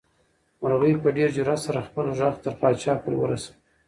مرغۍ په ډېر جرئت سره خپل غږ تر پاچا پورې ورساوه.